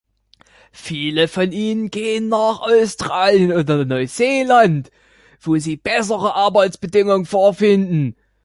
Viele von ihnen gehen nach Australien oder Neuseeland, wo sie bessere Arbeitsbedingungen vorfinden.